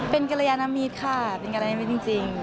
เป็นกรยานามิตค่ะเป็นกรยานามิตจริง